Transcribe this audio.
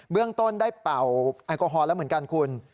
เรื่องต้นได้เป่าแอลกอฮอลแล้วเหมือนกันคุณ